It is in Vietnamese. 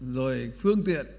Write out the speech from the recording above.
rồi phương tiện